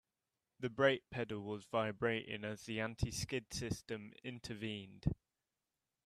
The brake pedal was vibrating as the anti-skid system intervened.